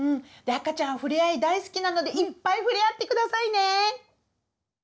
赤ちゃんふれあい大好きなのでいっぱいふれあってくださいね！